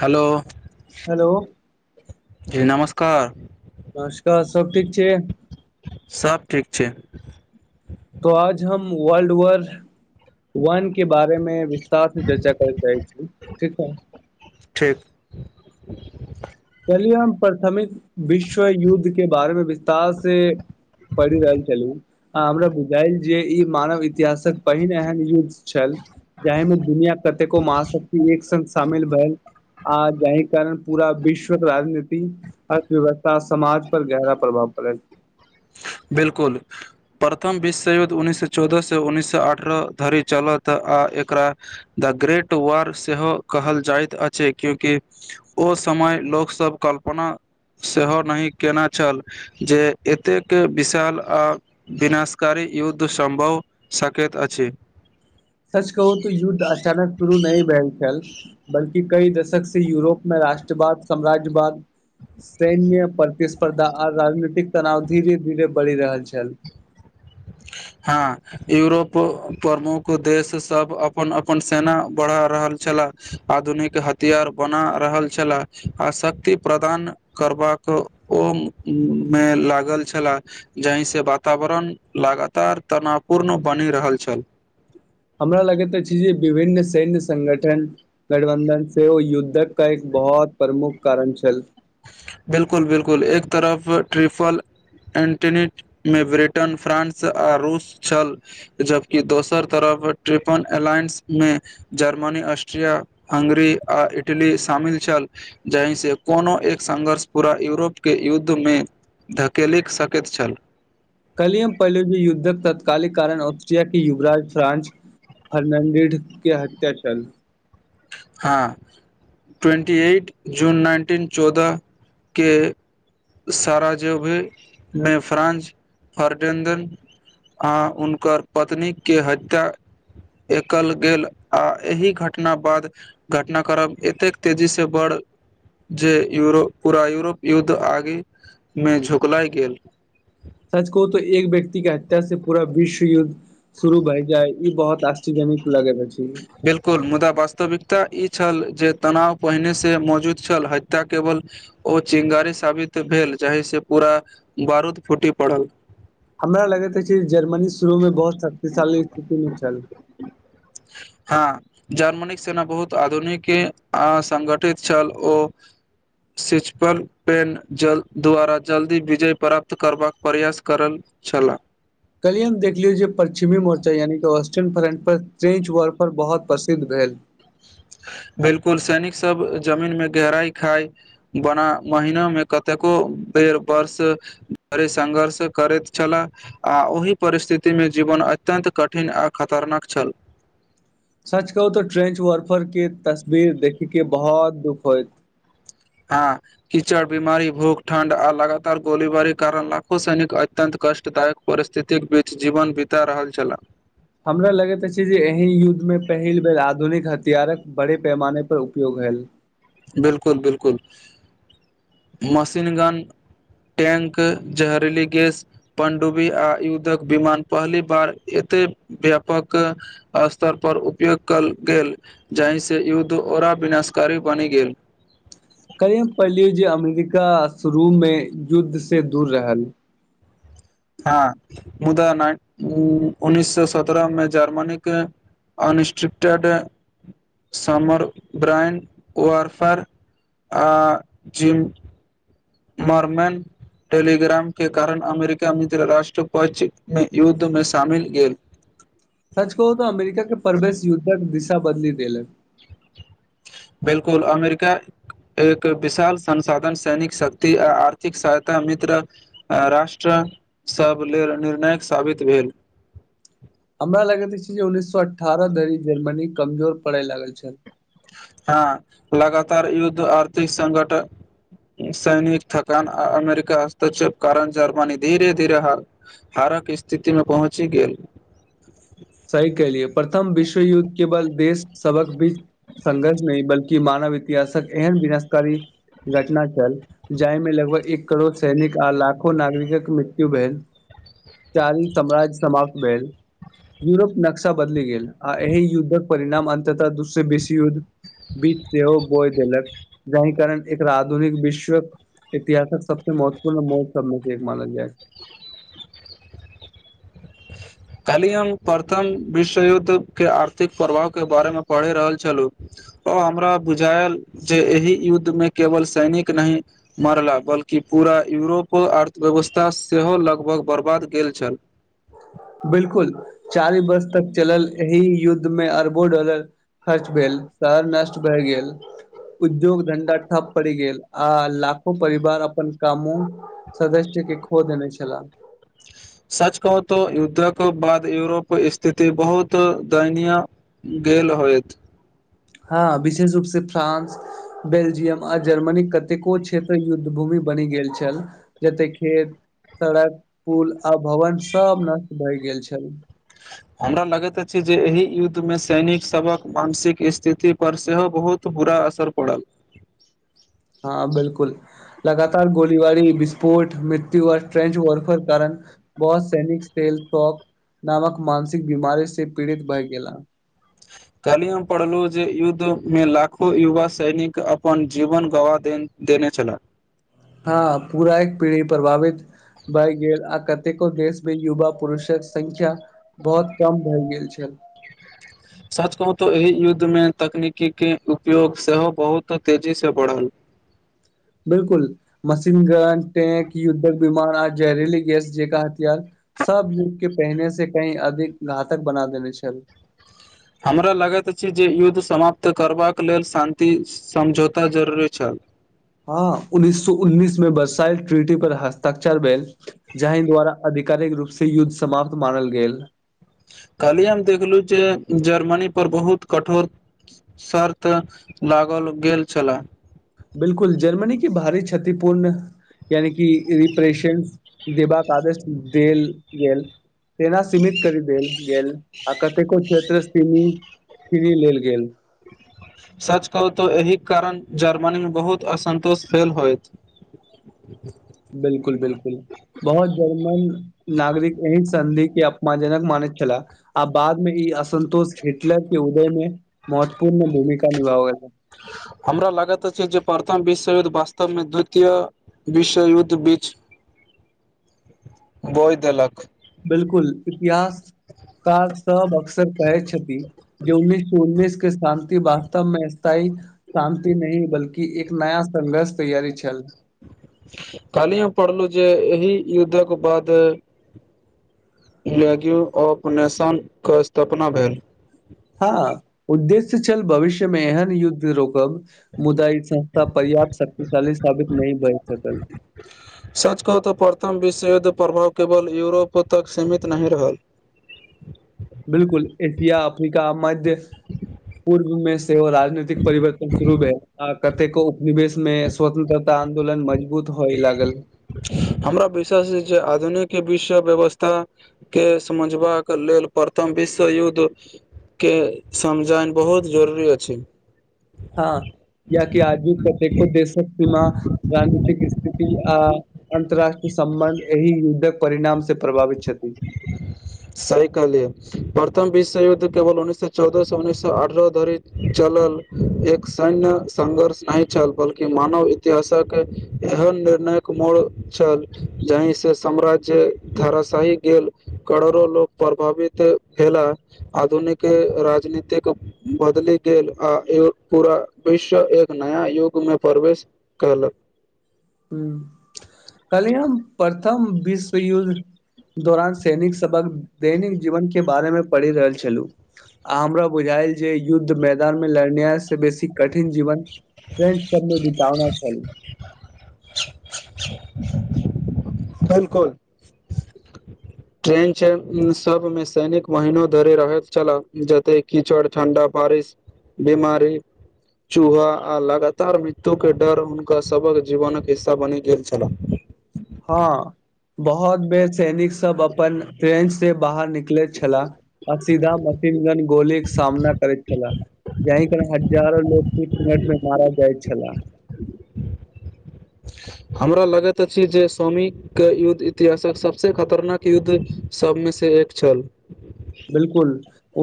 hello hello जी नमस्कार नमस्कार सब ठीक छै सब ठीक छै तो आज हम वर्ल्ड वर वन के बारे में विस्तार से चर्चा करे ल चाहछी ठीक छै ठीक चलि हम प्रथमिक विश्व युद्ध के बारेमें विस्तार से पड़ रहल छलय हमरा बुझायल जे ई मानव इतिहासक पहिन एहन युद्ध छल जाहि में दुनिया कतेको महाशक्ति एक स शामिल भेल आर जाहि कारण पूरा विश्व राजनीति अर्थव्यवस्था समाज पर गहरा प्रभाव पड़ै बिल्कुल प्रथम विश्व युद्ध उन्नैस सए चौदह से उन्ननीस सए अठारह धरि चलत आ एकरा द ग्रेट वार सेहो कहल जाइत अछि क्यूंकि ओ समय लोकसब कल्पना सेहो नहि कनै छल जे एत एतेक विशाल आ विनाशकारी युद्ध सम्भव सकैत अछ सच कहू तऽ युद्ध अचानक शुरू नहि भेल छ बल्कि कई दशक से यूरोप मे राष्ट्रवाद साम्राज्यवा सैन्य प्रतिस्पर्धा आ राजनीतिक तनाव धीरे धीरे बढ़ि रहल छ हँ यूरोप प्रमुख देशसब अपन अपन सेना बढ़ा रहल छलाह आधुनिक हथियार बना रहल छलाह आ शक्ति प्रदान करबाक ओ में लागल छलै जाहि से वातावरण लगातार तनापूर्ण बनि रहल छल हमरा लगैत छै जे विभिन्न सैन्य संगठन गठबन्धन से ओ युद्धक का एक बहुत प्रमुख कारण छल बिल्कुल बिल्कुल एक तरफ ट्रिफल एंटनी में ब्रिटेन फ्रानंस आ रूस छल जबकि दोसर तरफ ट्रिपन अलायंस में जर्मनी ऑस्ट्रिया हंगरी आ इटली शामिल छल जहि से कोनो एक संघर्ष पूरा यूरोपके युद्ध में धकेलि सकैत छल कलियम पैलोजी युद्धक तत्कालिक कारण ऑस्ट्रिया के युवराज फ्रांस फर्नांडिड के हत्याचल हँ ट्वेन्टी एट जून नाइनटीन चौदह क सारा जेभे नेफ्रानज फर्डन्दन आ हुनकर पत्नीके हत्या एकल गेल आ एहि घटना बाद घटना करब एतेक तेजी से बड़ जे यरो पूरा यूरोप युद्ध आगे में झुकलाइ गेल सच कहु तऽ एक व्यकि के हतियास से पूरा विश्व युद्ध शुरू भएजाय ई बहुत आश्चजनित लगैत छै बिल्कुल मुदा वास्तविकता इ छल जे तनाव पहिने से मौजूद छल हत्या केवल ओ चिङ्गारी साबित भेल जाहिसँ पूरा बारूद फूटि पड़ल हमरा लगैत अछि जर्मनी शुरूमें बहुत शक्तिशाली स्थितिमे छल हँ जर्मनीक सेना बहुत आधुनिक संगठित छल ओ सिचपल पेन जल द्वारा जल्दी विजय प्राप्त करबाक प्रयास करल छलाह कालिए हम देखियौ जे पश्चिमी मोर्चा यानिकि वेस्टर्न फ्रन्टपर ट्रेंच वॉफर बहुत प्रसिद्ध भेल बिलकुल सैनिक सब जमीन में गहराई खााय बना महिना मे कतेको बेर वर्ष संघर्ष करैत छल आ ओहि परिस्थितिमे जीवन अत्यन्त कठिन आ खतरनाक छल सच कहू तो ट्रेंच वर्फर के तस्वीर देखै के बहुत दुख होय हँ कीचड़ बीमारी भूख ठण्ड आ लगातार गोलीबारी कारण लाखो सैनिक अत्यंत कष्टदायक परिस्थितिक बीच जीवन बीता रहल छलाह हमरा लगैत अछि जे एहि युद्धमे पहिल बेर आधुनिक हथियारक बड़े पैमानेप उपयोग भेल बिलकुल बिलकुल मशीनगन टैंक जहरीली गेस पणडुबी आ युद्धक विमान पहली बार एते व्यापक अस्तर पर उपयोग कयल गेल जहि से युद्ध ओरा विनाशकारी बनि गेल कली पड़िलयो जे अमेरिका शुरू में युद्ध से दूर रेहल हँ मुदा उन्ननीस सए सतरहमे जर्मन के अनस्ट्रिक्टेड समर ब्रांड ओरफर आ जिम मरमैन टेलीग्राम के कारण अमेरिका मित्र राट्र पक्ष युद्ध मे शामिल गेल सच कहू अमेरिका के परवेश युद्धक दिशा बदली देेलक बिलकुल अमेरिका एक विशाल संसाधन सैनिक शक्ति आ आर्थिक सहायता मित्र राष्ट्रा सब लेल निर्णायक साबित भेल हमरा लगैत छै जे उन्नैससए अठारह धरि जर्मनी कमजोर पड़य लागल छै हँ लगातार युद्ध आर्थिक संघट सैनिक थकान अरिमेका हस्तक्षेप कारण जार्मानी धीरे धीरे ह हारक स्थितिमे पहुँचि गेल सही कलियै प्रथम विश्व युद्ध केवल देश सबक बीच संघर्ष नहि बल्कि मानव इतिहासक एहन विनाशकारी घटना छल जाय मे लगभग एक करोड़ सैनिक आ लाखो नागरिकक मृत्यु भेल चारी सम्राज्य समाप्त भेलन यूरोप नक्शा बदलि गेल आ एहि युद्धक परिणाम अन्ततः दूसयबेसी युद्ध बीच सेहो बोय देलक जाहि कारण एकरा आधुनिक विश्वक इतिहासक सबसँ महत्वपूर्ण मौ सबमे से एक मानल जाय कालि हम प्रथम विश्व युद्ध के आर्थिक प्रभाव के बारेमे पढ़ि रहल छलहुँ हमरा बुझायल जे एहि युद्ध में केवल सैनिक नहि मारला बल्कि पूरा यूरोपक अर्थव्यवस्था सेहो लगभग बर्बाद गेल छल बिल्कुल चारि वर्ष तक चलल एहि युद्धमे अरबो डॉलर खर्च भेल शहर नष्ट भए गेल उद्योग धंधा ठप पड़ गेल आ लाखो परिवार अपन कामो सदस्य के खो देने छलाह सच कहू तऽ युद्धक बाद यूरोप स्थिति बहुत दैयनीय गेल होयत हँ विशेष रूप से फ्रानंस बेल्जियम आ जर्मनीक कतेको क्षेत्र युद्ध भूमि बनि गेल छल जते खेत सड़क पुल आ भवन सब नष्ट भए गेल छैल हमरा लगैत अछि जे एहि युद्धमे सैनिक सभक मानसिक स्थिति पर सेहो बहुत बुरा असर पड़ल हँ बिल्कुल लगातार गोलीबारी विस्फोट मृत्यु आर ट्रेंच वॉफर कारण बहुत सैनिक सेेल नामक मानसिक बीमारी से पीड़ित भए गेला कनियो पढ़लौहु जे युद्ध में लाखो युवा सैनिक अपन जीवन गवा देन देने छल हँ पूरा एक पीढ़ी प्रभावि भए गेल आ कतेको देशमे युवा पुरुषक संख्य बहुत कम भए गेल छ सच कहू तो एहि युद्ध में तकनीकी के उपयोग सेहो बहुत तेजी से बढ़ल बिलकुल मशीन गन टैंक युद्धक विमान आ जहरीली गैस जेका हथियार सब युग के पहने से कही अधिक घातक बना देने छल हमरा लगैत अछि जे युद्ध समाप्त करबाक लेल शान्ति समझौता जरूरी छल हँ उन्नीस सए उन्नीस मे बरसाल ट्रिटी पर हस्ताक्षर भेल जहि द्वारा आधिकारिक रूप से युद्ध समाप्त मानल गेल कलहि हम देखलहु जे जर्मनी पर बहुत कठोर शर्त लागल गेल छले बिलकुल जर्मनी क भारी क्षतिपूर्ण यानि कि रिप्रेशंस देबाक आदेश देल गेल सेना सीमित कर द गेल आ कतेको क्षेत्र सी फ्रीरी लेल गेल सच कहू त एहि कारण जर्मनी में बहुत असन्तोष फेल होय बिल्कुल बिल्कुल बहुत जर्मन नागरिक एहि सन्धि के अपमजनक मानैत छलाह आब बाद में ई असन्तोष हिटलर के उदय में महत्वपूर्ण भूमिका निभा गेलै हमरा लागैत अछि जे प्रथम विश्वयुद्ध वास्तवमें द्वितीय विश्वयुद्ध बीच [unintelligible] बोइ देलख बिलकुल इतिहासकार सब अक्सर क जे उन्नस सए उन्ननीस के शान्त वास्तवमें स्थायी शान्ति नहि बल्कि एक नया संघर्ष तैयारी छल काल्हि हम पढ़लहु जे एहि युद्धक बाद लैग्यू ऑफ नेशनके स्थापना भेल हँ उद्देश्य छल भविष्यमें एहन युद्ध रोकब मुद्दा संस्था पर्याप्त शक्तिशाली साबित नहि बन सकल सच कहू तऽ प्रथम विश्वयुद्ध प्रभाव केवल यूरोप तक सीमित नहि रहल बिलकुल एशिया अफ्रीका मध्य पूर्वमें राजनीतिक परिवर्तन शुरू है कतेको उपनिवेश मेँ स्वतंत्रता आन्दोलन मज बहुत होय लागल हमरा विश्वास जे आधुनिक विश्व व्यवस्था समझबाक लेल प्रथम विश्व युद्ध के समझायन बहुत जरुररी अछि हँ याकि आज भी कतेको देशक सीमा राजनीतिक स्थिति अन्तरराष्ट्रीय सम्बन्ध एहि युद्धक परिणाम से प्रभावित छथि सहिकहलिये प्रथम विश्व युद्ध केवल उन्नैस सए चौदह से उन्नैस सए अठारह ध चलल एक सैन्य संघर्ष नहि छल बलकि मानव इति इतिहासक एहन निर्णायक मोड़ छल जाहिसँ साम्राज्य धारासाहिक गेल करोड़ो लोक प्रभावित भेला आधुनिक राजनीतिक बदलि गेल आ पूरा विश्व एक नया युग में प्रवेश कालप काल्हि प्रथम विश्वयुद्ध दौरान सैनिक सबक दैनिक जीवन के बारे में पढ़ि रहल छलु आ हमरा बुझायल जे युद्ध मैदान में लड़ने से बेसी कठिन जीवन फ सब वितना च [inaudible] बिलकुल ट्रेन छै सब में सैनिक महनो धरि रहैत छलाह जते कीचड़ ठंडा बारिश बिमारी चूहा आ लगातार मृत्युके डर हुनका सबक जीवनक हिस्सा बनि गेल छह हँ बहुत बेर सैनिक सब अपन फ्रेंच से बाहर निकलैत छलाह आ सीधा मशीनगन गोलीके सामना करैत छलाह जाहि कारण हजारो लोग किच मिनट में मारा जाइत छल हमरा लगैत अछि जे स्वामी के युद्ध इतिहासक सबस खतरनाक युद्ध सब में से एक छल बिलकुल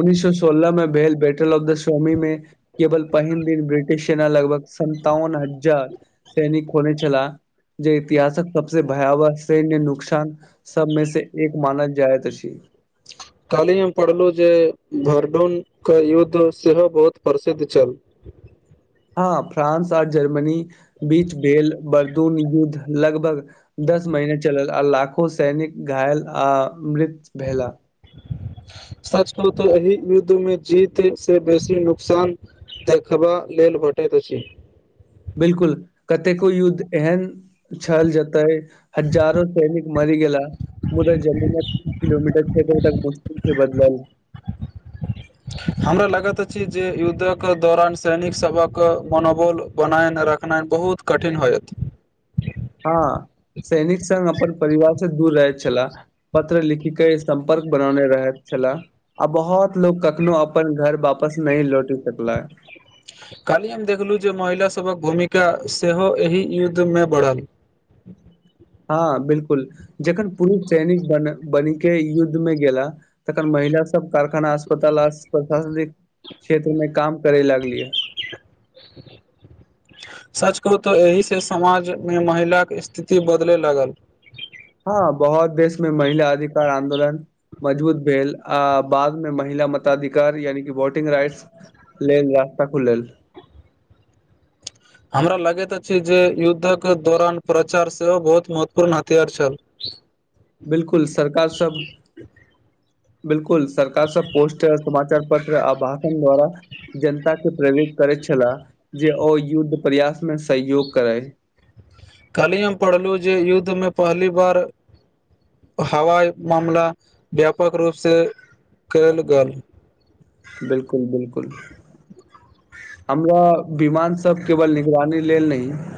उन्ननीस सए सोलह मे भेल बैटल ऑफ द सोमी में केवल पहिन दिन ब्रिटिश सेना लगभग सन्तावन हजार सैनिक खोने छला जे इतिहासक सबस भयावह सन्य नुकसान सब में से एक मानल जायत छी काल्हि हम पढ़लु जे भर्डून के युद्ध सेहो बहुत प्रसिद्ध छल हँ फ्रांस आर जर्मनी बीच बेल बर्दून युद्ध लगभग दस महिने चलल आ लाखो सैनिक घायल आ मृत भेला [unintelligible] सच कहु तऽ एहि युद्ध में जीत से बेसी नुकसान देखबा लेल भटेैत छी बिलकुल कतेको युद्ध एहन छहल जाता है हजारो सैनिक मरी गेलाह मुदा जमीन तीस किलोमीटर छै तक मुशकिल छै बदलल हमरा लगैत अछि जे युद्धक दौरान सैनिक सबक मनोबल बनायने राख देखनाइ बहुत कठिन होतै हँ सैनिक सघ अपन परिवार स दूर रहैत छला पत्र लिखी के सम्पर्क बनौने रहैत छलाह आ बहुत लोग कखनो अपन घर वापस न लौटि सकल ह कल्हि हम देखलहुँ जे महिला सभक भूमिका सेहो एहि युद्ध में बढ़ल हँ बिलकुल जखन पुरुष सैनिक बन बनीक युद्ध में गेला तखन महिला सब कारखाना अस्पताल आ प्रशासनिक क्षेत्र में काम करे लागलिय [unintelligible] सच कहु तऽ एहि से समाज मे महिलााक के स्थिति बदले लगल हँ बहुत देशमें महिला अधिकार आंन्दोलन मजबूत भेल आ बादमें महिला मताधिकार यानि कि वोटिंग राइट्स लेल रास्ता खुलल हमरा लागैत अछि जे युद्धक दौरान प्रचार सेहो बहुत महत्वपूर्ण हथियार छल बिलकुल सरकार सब बिलकुल सरकार सब पोस्ट समाचार पत्र आ भाषण द्वारा जनता के प्रेरित करैत छलाह जे ओ युद्ध प्रयास में सहयोग करै कल्हि हम पढ़लहुँ जे युद्ध में पहली बार हवाइ मामला व्यापक रूपसँ कयल गेल बिलकुल बिलकुल हमरा विमानसब केवल निगरानी लेल नहि